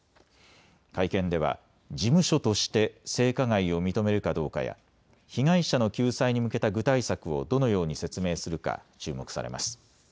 会見では事務所として性加害を認めるかどうかや被害者の救済に向けた具体策をどのように説明するか注目されます。